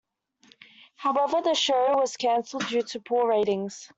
However, the show was cancelled due to poor ratings.